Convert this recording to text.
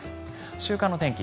週間天気